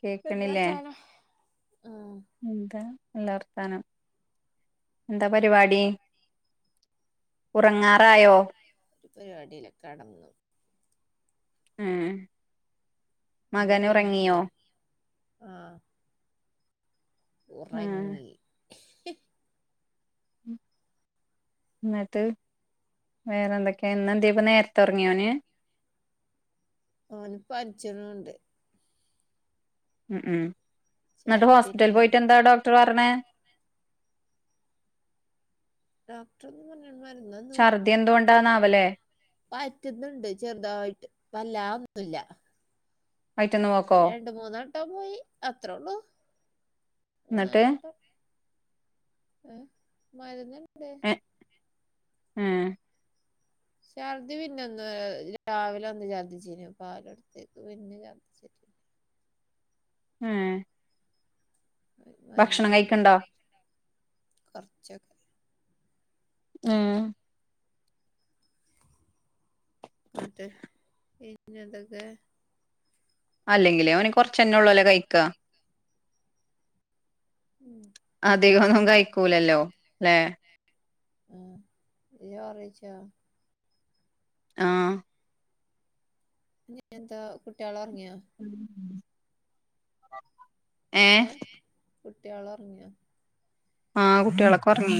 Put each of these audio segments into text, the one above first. കേക്ക്‌ണില്ലേ എന്താർത്താനം ആ എന്താ നല്ല വർഥാനം ന്താ പരിപാടി ഉറങ്ങാറായോ ഒരുപാടില്ല കടന്നു ഉം എന്റെ മകൻ ഉറങ്ങിയോ കഴിഞ്ഞിട്ടില്ലേ ആ ഉം ഉറങ്ങി ന്ന്ട്ട് വേറെന്തൊക്കെ ഇന്നന്തേപ്പ നേരത്തെ ഒറങ്ങിയോന് ഓന് പൻച്ണുണ്ട് ഉം ഉം ന്നട്ട് ഹോസ്പിറ്റൽ ഛർദിണ്ടായിന് പോയിട്ടന്താ ഡോക്ടർ പറ്ഞ്ഞേ [unintelligible] മരുന്നൊന്നും ഛർദ്ദി എന്തുകൊണ്ടാന്നാവ പറ്റുന്നുണ്ട് ചെറുതായിട്ട് വല്ലാ ഒന്നുല്ല വയിറ്റ്ന്ന് പോക്കോ ട്ടാ പോയി അത്രള്ളൂ എന്നിട്ട് മൂന്നാലട്ട ഏഹ് മര്ന്ന്ണ്ട് ഏഹ് ഛർദി പിന്നെന്ന് രാവിലൊന്ന് ഛർദിച്ചീനു പാലൊട്ത്തേക്ക് പിന്നെ ചഛർദിച്ചി [inaudible] ഏഹ് ഭക്ഷണം കഴിക്ക്‌ണ്ടാ കൊർച്ചൊക്കെ ഏഹ് ആട്ടെ പിന്നന്തക്കെ അല്ലെങ്കിലേ ഓന് കൊറച്ചന്നള്ളൊല്ലൊ കയ്ക്കാ ഉം അധികൊന്നും കഴിക്കൂലല്ലോ ലേ ആഹ് ഇയോറെയ്ച്ചോ ആഹ് എന്താ കുട്ട്യേളൊർങ്ങിയൊ ഉം ഉം [unintelligible] ഏഹ് ഏ കുട്ട്യേളൊർങ്ങിയൊ ആ കുട്ട്യേളൊക്കൊർങ്ങി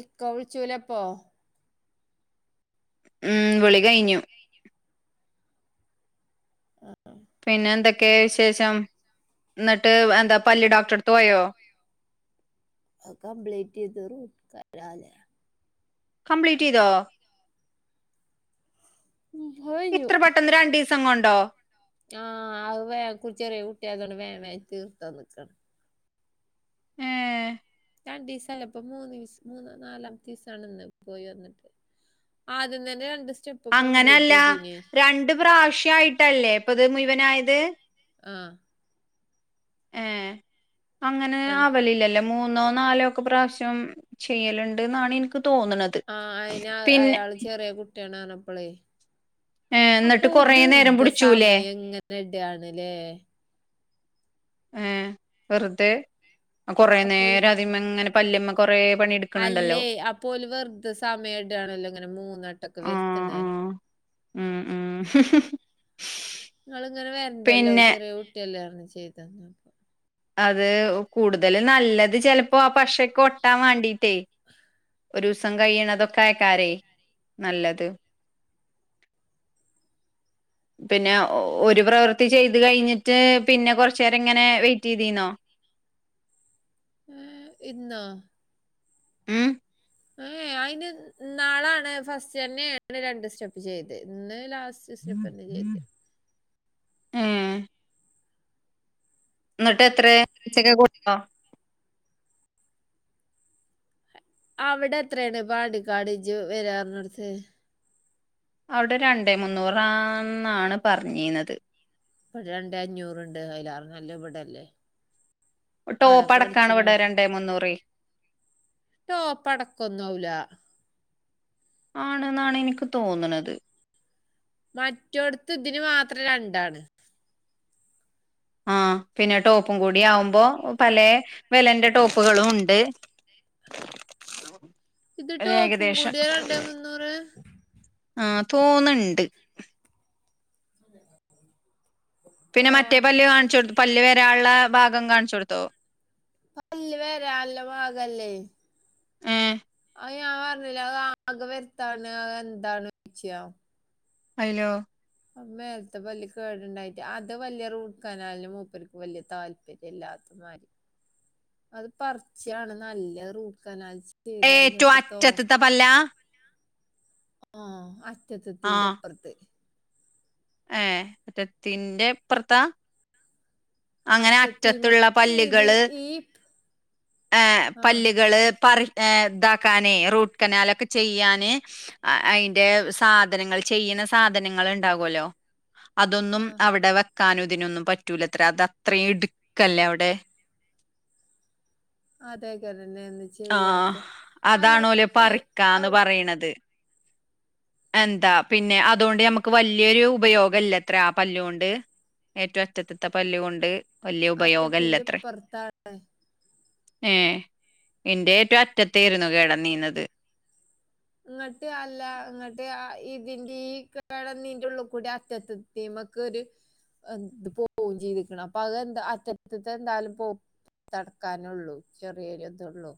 ഇക്ക വ്ൾച്ചൂലപ്പൊ ഉം വിളി കഴിഞ്ഞു ആഹ് പിന്നെ എന്തൊക്കെ വിശേഷം എന്നിട്ട് എന്താ പല്ല് ഡോക്ടറട്ത്ത് പോയോ? അത് കംപ്ലീറ്റ് [unintelligible] കംപ്ലീറ്റയ്തോ? കഴിഞ്ഞു ഇത്ര പെട്ടന്ന് രണ്ടീസം കൊണ്ടോ? ആ അത് വേം കു ചെറിയ കുട്ട്യാൾക്കല്ലേ വേം വേം തീർത്താന്നക്കാണ് ഏഹ് രണ്ടീസല്ലപ്പോ മൂന്നീസ മൂന്ന് നാലാമത്തീസാണ് ഇന്ന് പോയി വന്നിട്ട് അദ്യം തന്നെ രണ്ടീസ് അങ്ങനല്ല രണ്ട് പ്രാവശ്യായിട്ടല്ലേ ഇപ്പത് മുഴുവനായത് ആഹ് ഏഹ് അങ്ങനെ രണ്ട് ആവലില്ലല്ലോ മൂന്നോ നാലോ ഒക്കെ പ്രാവശ്യം ചെയ്യല്ണ്ട് ന്നാണ് ഇൻക്ക് തോന്ന്ണത് ആ അയിന് പിന്നെ അയാള് [unintelligible] ഏ അപ്പൊ എന്നിട്ട് കൊറേ നേരം വെറുത പിടിച്ചൂലേ സമയം ങ്ങനെടാണ്ല്ലേ ഏഹ് വേർതെ കൊറെ അപ്പൊ ഓല് നേരം അതിമ്മ ഇങ്ങനെ പല്ല്മ്മ കൊറെ പണിട്ക്കണണ്ടല്ലോ അതാണല്ലോ ഇങ്ങനെ മൂന്നട്ടൊക്കെ വര്ത്തണേ ആഹ് ആഹ് ഇങ്ങള്ങ്ങനെ വരണ്ടല്ലോ ചെറിയ കുട്ടിയല്ലേ ർഞ്ഞു ചെയ്തപ്പോ അത് കൂടുതൽ നല്ലത് ചെലപ്പോ ആ പശക്കെ ഒട്ടാൻ വേണ്ടിട്ടേ ഒരു ദിവസം കൈയണതൊക്കായ്ക്കാരേ നല്ലത് [inaudible] പിന്നെ ഒരു ഏഹ്, പ്രവൃത്തി ചെയ്ത് കഴിഞ്ഞിട്ട് പിന്നെ കൊറച്ചേരങ്ങനെ വെയി [unintelligible] ഏ ഇന്നോ ഉം ഏ ഏ അയിന് ന്നാളാണ് ഫസ്റ്റ് തന്നെയാണ് രണ്ട് സ്റ്റെപ്പ് ചെയ്ത് ഇന്ന്ലാസ്റ്റ് സ്റ്റെപ്പെന്നെ ചെയ്തെ ഏ എന്നിട്ട് എത്ര [unintelligible] കൊടുത്തോ അവിടെ എത്രയാണ് പാണ്ടിക്കാട് ജ് വരാറിഞ്ഞോട്ത്ത് അവിടെ രണ്ടേ മുന്നൂറാന്നാണ് പറഞ്ഞിനത് [unintelligible] ആടെ ടോപ്പ് അടക്കാണ ഇവിടെ രണ്ടേ മുന്നൂറേ ടോപ്പടക്കൊന്നാവൂല ആണ്ന്നാണ് ഇനിക്ക് തോന്നണത് മറ്റോട്ത്ത് ഇതിന് മാത്രം രണ്ടാണ് [unintelligible] ആഹ് പിന്നെ ടോപ്പും കൂടി ആവുമ്പോ പലേ വെലന്റെ ടോപ്പുകളൂടി ഉണ്ട് [inaudible] ഇത് ട്ടോപ്പും ഏകദേശം കൂടിയ രണ്ടേ മുന്നൂറ് ആ തോന്ന്ണണ്ട് [unintelligible] പിന്നെ ഏ മറ്റേ പല്ല് കാണിച്ചു കൊടു പല്ല് വരാനുള്ള ഭാഗം കാണിച്ചു കൊടുത്തോ? പല്ല് [unintelligible] ഭാഗല്ലേ ഏ അത് ഞാൻ പറഞ്ഞില്ല അത് ആകെ വരുത്താണ് അ എന്താണ് ചെയ്യാ [unintelligible] അയിലോ മേലത്തെ പല്ല് കേടുണ്ടായിട്ട് അത് വലിയ റൂട്ട്കനാൽ മൂപ്പർക്ക് വല്യ താല്പര്യം ഇല്ലാന്ന് അത് പറിച്ചാണ് നല്ല റൂട്ട്കനാല് ചെ ഏറ്റവും അറ്റത്തത്ത പല്ലാ ആ അറ്റത്തത്തിന്റെപ്പുറത്ത് ആ അറ്റത്തിന്റെപ്രത്താ അങ്ങനെ അറ്റത്തുള്ള അറ്റത്തിമക്ക് ഇത് പല്ല്കള് ഈ ആ പല്ലികള് പറി ആ ഇതാക്കാനെ റൂട്ട് കനാലൊക്കെ ചെയ്യാന് അതിന്റെ സാധനങ്ങൾ ചെയ്യ ന്ന സാധനങ്ങൾ ഉണ്ടാകുല്ലോ [unintelligible] അതൊന്നും ആ അവിടെ വെക്കാനും ഇതിനൊന്നും പറ്റൂലത്രെ അത അത്രയും ഇടുക്കല്ലേ അവിടെ അതെ [unintelligible] ആ അതാണോല് ഔ പറിക്കാന്ന് പറയണത് [unintelligible] എന്താ പിന്നെ അതുകൊണ്ട് ഞമക്ക് വലിയൊരു ഉപയോഗില്ല ത്രെ ആ പല്ല് കൊണ്ട് ഏറ്റവും അറ്റത്തത്തെ പല്ല് കൊണ്ട് അറ്റത്തിന്റിപ്പറത്താ ഏ എന്റെ ഏറ്റോം അറ്റത്തീരുന്നു കേടനീന്നത് ഇങ്ങട്ട് അല്ല ഇങ്ങട്ട് ഇതിന്റെ ഈ [unintelligible] ഉള്ളി കൂടി അറ്റത്തെത്തീ നമക്ക്‌ ഒരു എന്ത് പോ [unintelligible] ചെയ്തിക്കണ് അപ്പൊ അത് എന്താ അറ്റത്തത്തെ എന്താലും പോ തടക്കാനുള്ളു ചെറിയൊരു ഇതൊള്ളു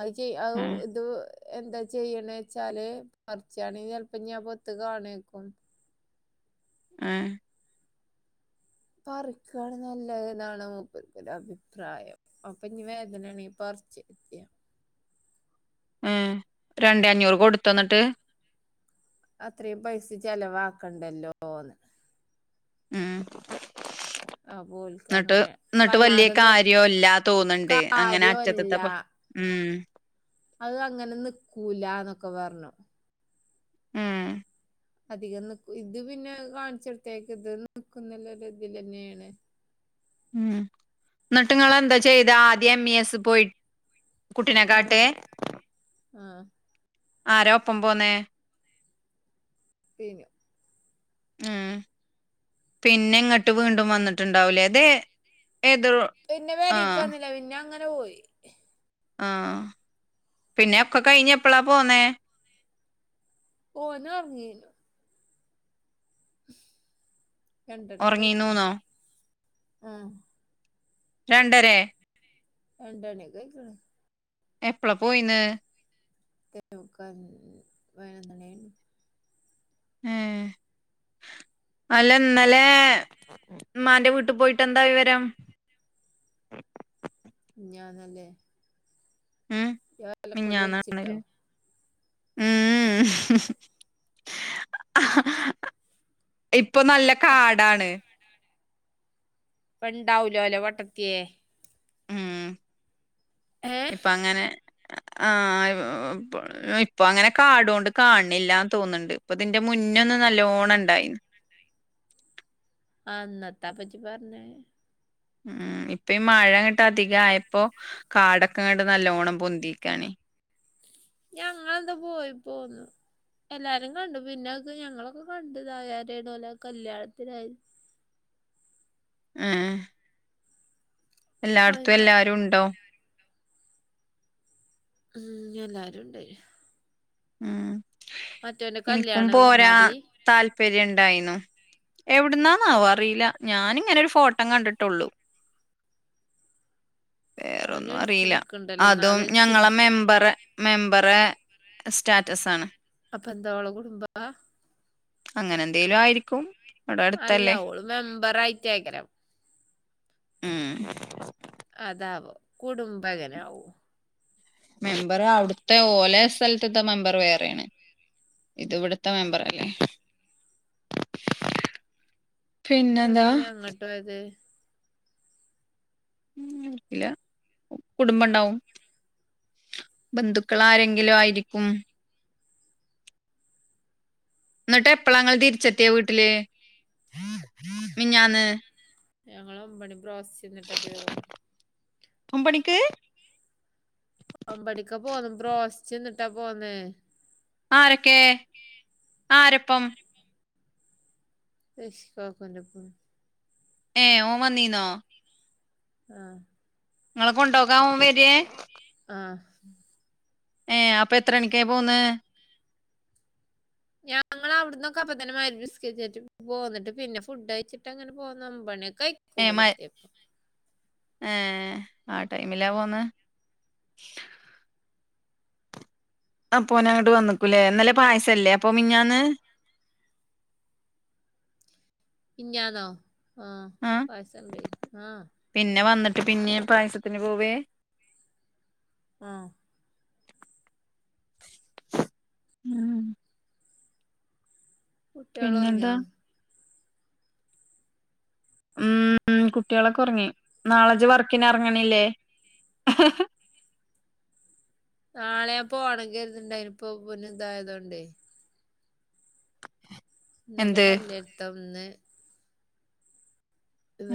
അത് ചെയ് അത് ഏഹ് ഇത് എന്താ ചെയ്യണെച്ചാല് പറിച്ചയാണെ ചിലപ്പം ഞ്ഞിയാ പൊത്ത് കാണേക്കും ആ പറിക്കാണ് നല്ലത് എന്നാണ് മൂപ്പത്തിടെ അഭിപ്രായം അപ്പൊ ഇനി വേദനയാണെങ്കി പറി [unintelligible] ആ രണ്ടെ അഞ്ഞൂറ് കൊടുത്തൊ ന്നിട്ട് അത്രയും പൈസ ചെലവാക്കണ്ടല്ലോന്ന് ഉം അപ്പൊ ഓൽക്ക് ന്നിട്ട് അങ്ങനെ ന്നിട്ട് വലിയ വല്ലാതെന്ന് കാര്യോല്ലാ തോന്നുണ്ട് അങ്ങനെ അറ്റത്തത്തെ കാര്യല്ല പ ഉം അത് അങ്ങനെ നിക്കൂലന്നൊക്കെ പറഞ്ഞു ഏഹ് അധികം നിക്ക്‌ ഇത് പിന്നെ കാണിച്ചെടുത്തേക്ക് ഇത് നിക്കുന്നുല്ലെ ഒരു ഇതിൽ തന്നെണ് ഉം എന്നിട്ടുങ്ങളെന്താ ചെയ്താ ആദ്യം എം ഇ എസ് സി പോയി കുട്ടിനെ ആ കാട്ടെ ആ ആര ഒപ്പം പോന്നേ ബിനു ഉം പിന്നെ ഇങ്ങട്ട് വീണ്ടും വന്നിട്ടുണ്ടാവൂലേ ഇത് ഏത് പിന്നെ പെരിക്ക്‌ ആഹ് വന്നില്ല പിന്നെങ്ങനെ പോയി ആഹ് പിന്നെ ഒക്കെ കഴിഞ്ഞ് എപ്പളാ പോന്നേ? ഓന് ഒറങ്ങി രണ്ടണിക്കയ്ക്കാണും ഒറങ്ങീന്നൂന്നോ ആഹ് രണ്ടരേ രണ്ടണി ഒക്കെ അയ്ക്ക്‌ണ് എപ്പള പോയിന്ന് [unintelligible] മുക്കാല് പതിനൊന്നണി ആയി ഏഹ് അല്ല ഇന്നലെ മ്മാന്റെ വീട്ട് പോയിട്ട് എന്തായി വിവരം ഞാനല്ലേ ഉം വലിച്ചിട്ടോ മിനിഞ്ഞാന്നാണല് അ ആ ഇപ്പൊ നല്ല കാടാണ്. പ്പെണ്ടാവൂലോലെ പൊട്ടത്തിയേ ഇപ്പൊ അങ്ങനെ ആ [unintelligible] പ്പൊ ഇപ്പൊ അങ്ങനെ കാടോണ്ട് കാണില്ലാ തോന്ന്ണ്ട് ഇപ്പ തിന്റെ മുന്നേ ന്ന് നല്ലോണണ്ടയ്നു ആ അന്നത്താപ്പെജ് പറഞ്ഞെ ഉം ഇപ്പ ഈ മഴ ആയിട്ട് അധിക ആയപ്പോ കാടൊക്കെണ്ട് നല്ലോണം പൊന്തേക്കാണേ. ഞങ്ങെൾന്താ പോയിപ്പോന്നു. എല്ലാരും കണ്ടു പിന്നെക്കെ ഞങ്ങളൊക്കെ കണ്ടു ഇതായാരേണ് ഓലാ കല്യാണത്തിനായി ഏ ഹോയ് എല്ലാട്ത്തും നാഥേ. എല്ലാരും ഉണ്ടോ? ഉം എല്ലാരും ഉണ്ട്. ഉം എനിക്കും കല്യാണം പോരാ എവിടുന്നാടി താല്പര്യണ്ടായിനു. എവിടുന്നാന്നാവോ അറിയില ഞാനിങ്ങനെ ഒരു ഫോട്ടം കണ്ടിട്ടൊള്ളു. [inaudible] അവന് വേറൊന്നും വിളിച്ച് അറിയില നിക്കണ്ടല്ലോ അതും നാളെ വിളിച്ചില് ഞങ്ങളെ മെമ്പറെ മെമ്പറെ സ്റ്റാറ്റസ് ആണ്. അപ്പൊ എന്ത ഓളെ കുടുംബ? അങ്ങനെ എന്തേലും ആയിരിക്കും. ഇവിടെ അല്ല അടുത്തല്ലേ ഓള് മെമ്പറായിറ്റയ്ക്കാരം ഉം അതാവോ കുടുംബങ്ങനാവോ മെമ്പറ് അവിട്ത്തെ ഓലെ സ്ഥൽത്ത്ത്തെ മെമ്പർ വേറെയാണ്. ഇതിവ്ടുത്തെ മെമ്പറല്ലേ? [inaudible] പിന്നെന്താ ഇന്ന്ട്ടെന്താ പിന്നെ അങ്ങട്ടോയത്.? [unintelligible] ല്ലാ കുടുംബണ്ടാവും. ബന്ധുക്കള് ആരെങ്കിലു ആയിരിക്കും. [inaudible] ഇന്ന്ട്ട് എപ്പളാങ്ങള് തിരിച്ചെത്തിയെ വീട്ടില് മിഞ്ഞാന്ന്.? ഞങ്ങള് ഒമ്പണി ബ്രോസ്റ്റ്ന്ന്ട്ടെക്കേ പോന്ന്. ഒമ്പണിക്ക്? ഒമ്പണിക്കാ പോന്ന് ബ്രോസ്റ്റ്ന്ന്ട്ടാ പോന്ന്. ആരൊക്കെ.,? ആരപ്പം? റഷി കാക്കൂൻ്റൊപ്പം. ഏ ഓൻ വന്നീന്നോ.? ആഹ്. ഇങ്ങളെ കൊണ്ടോകാൻ ഓൻ വെരേ.? ആഹ്. ഏ അപ്പൊ എത്രണിക്കേ പോന്ന്.? ഞാങ് ങ്ങള് അവിട്ന്നൊക്കെ അപ്പതന്നെ മൈരിബ് നിസ്‌കരിച്ചിട്ട് പോന്ന്ട്ട് പിന്നെ ഫുഡ് കയ്ച്ചിട്ടങ്ങനെ പോന്നു. ഒമ്പണി ഏ മ കൈക്കുവടെത്യപ്പൊ. ഏ ആ ടൈമിലാ പോന്ന്.? അപ്പോ ഓനങ്ങട്ട് വന്ന്ക്കുലേ ഇന്നലെ പായസല്ലേ അപ്പൊ മിഞ്ഞാന്ന്.? [inaudible] മിഞ്ഞാന്നോ ആഹ് ആ പായസണ്ടായ്ന്നു, ആഹ്. ഇട്ട് പിന്നീം പായസത്തിന് പോവെ? ആഹ് ഉം കുട്ട്യോൾ പിന്നെന്താ ഒറങ്ങിയോ ഉം കുട്ടികളൊക്കെ ഒറങ്ങി നാളെജ്ജ് വർക്കിന് എറങ്ങണില്ലേ? [unintelligible] നാളെ പോണങ്കിൽ [unintelligible] പിന്നെ എന്തായയതോണ്ടേ ഇന്നലെ എന്ത് വലിയയിത്ത വന്നെ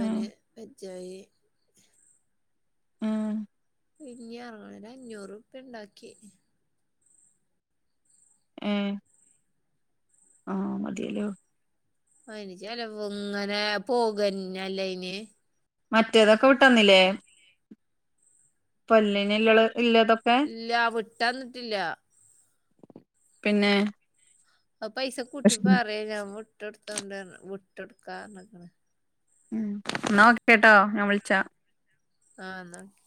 ഉം വെജ്ജയായി ഉം ഈ ഞാൻ അഞ്ഞൂറ്പ്പ്യ ഉണ്ടാക്കി ഏ ആ മതിയെലോ അയിന് ചെലവ് ഇങ്ങനെ പോകന്നല്ലയ്ന് മറ്റേതൊക്കെ വിട്ടന്നില്ലേ പൊല്ലിനല്ലള് ഇല്ല വിട്ടന്നിട്ടില്ല പിന്നെ ആ പൈസ പക്ഷെ കൂട്ടിപ്പറ ഞാൻ വിട്ടടുത്തോണ്ട് വിട്ടെടുക്കാക്ക ഉം ന്നാഒക്കെട്ടോ ഞാൻ വിളിച്ചാ ആഹ് എന്നാ ഓക്കേ